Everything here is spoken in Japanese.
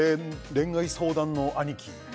恋愛相談の兄貴